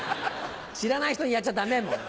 知らない人にやっちゃダメ。